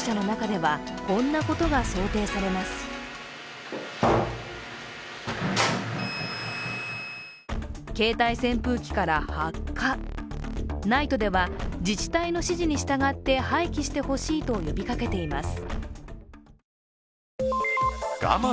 ＮＩＴＥでは自治体の指示に従って廃棄してほしいと呼びかけています。